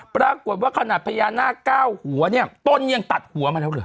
ปรากฏว่าขนาดพญานาคเก้าหัวเนี่ยต้นยังตัดหัวมาแล้วเหรอ